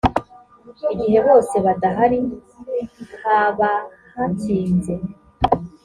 igihe bose badahari habahakinze.